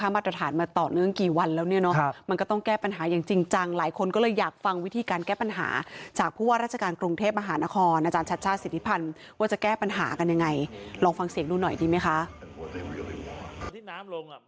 มันก็ต้องแก้ปัญหาอย่างจริงจังหลายคนก็เลยอยากฟังวิธีการแก้ปัญหาจากผู้ว่าราชการกรงเทพอาหารอาคอนอาจารย์ชัชชาศิริพรรณว่าจะแก้ปัญหากันอย่างไรลองฟังเสียงดูหน่อยดีไหมคะ